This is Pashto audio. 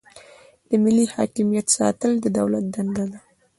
د ملي حاکمیت ساتل د دولت دنده ده.